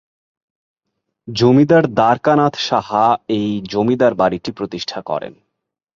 জমিদার দ্বারকানাথ সাহা এই জমিদার বাড়িটি প্রতিষ্ঠা করেন।